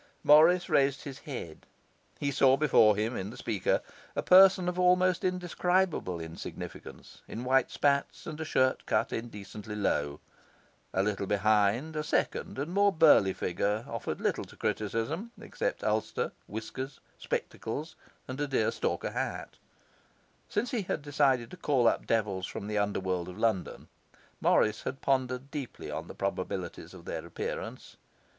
Morris raised his head. He saw before him, in the speaker, a person of almost indescribable insignificance, in white spats and a shirt cut indecently low. A little behind, a second and more burly figure offered little to criticism, except ulster, whiskers, spectacles, and deerstalker hat. Since he had decided to call up devils from the underworld of London, Morris had pondered deeply on the probabilities of their appearance.